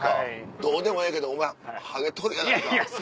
どうでもええけどお前ハゲとるやないか」。